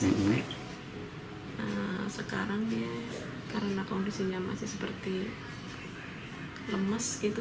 sekarang dia karena kondisinya masih seperti lemes gitu